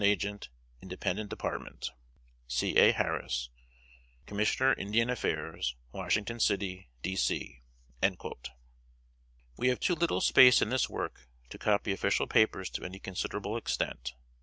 Agent, Ind. Dep't._ C. A. HARRIS, Com. Ind. Affairs, Washington City, D. C." We have too little space in this work to copy official papers to any considerable extent.